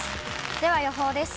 では予報です。